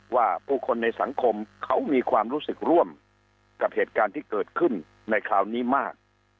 ว่าผู้คนในสังคมเขามีความรู้สึกร่วมกับเหตุการณ์ที่เกิดขึ้นในคราวนี้มาก